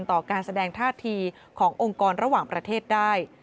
ต่อการแสดงท่าทีขององค์กรระหว่างประเทศได้